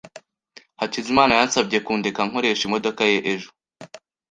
Hakizimana yansabye kundeka nkoresha imodoka ye ejo.